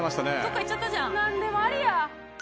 なんでもありや。